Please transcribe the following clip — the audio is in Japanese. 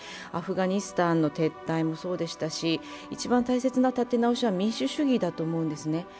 アフガニスタンの撤退もそうでしたし、一番大切な立て直しは民主主義だと思うんですね。